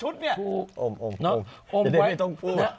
เดี๋ยวจะไม่ต้องกิน